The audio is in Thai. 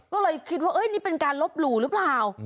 ก็เลยคิดว่านี่เป็นการลบหลู่หรือเปล่า